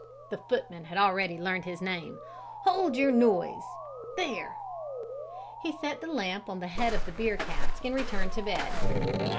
the footman had already learned his name "hold your noise. There!" He set the lamp on the head of the beer cask and returned to bed.